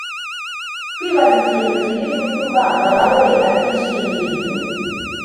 kwibaza ikintu kirigutuma mama we atishimira ibyo